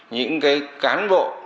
những cái tội phạm xảy ra